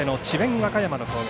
和歌山の攻撃